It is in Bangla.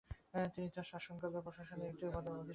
তিনি তার শাসনকালে প্রশাসনের একটি পদে অধিষ্ঠিত ছিলেন।